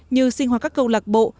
như sinh hoạt các câu lạc bộ